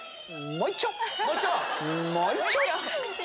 もういっちょ！